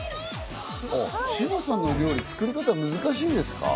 志麻さんの料理の作り方は難しいですか？